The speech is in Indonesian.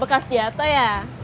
bekas jatoh ya